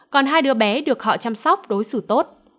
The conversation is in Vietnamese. còn hai đứa bé được họ chăm sóc đối xử tốt